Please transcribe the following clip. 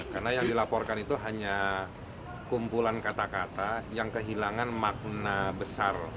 karena yang dilaporkan itu hanya kumpulan kata kata yang kehilangan makna besar